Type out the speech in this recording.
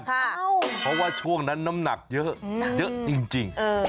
เพราะว่าช่วงนั้นน้ำหนักเยอะจริง